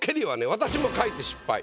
私も書いて失敗